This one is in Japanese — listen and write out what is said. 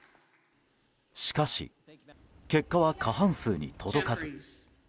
しかし、結果は過半数に届かず。